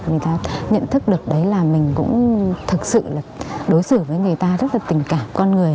người ta nhận thức được đấy là mình cũng thực sự là đối xử với người ta rất là tình cảm con người